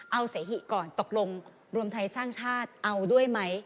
เอาเสหิก่อนตกลงรวมไทยสร้างชาติเอาด้วยไหม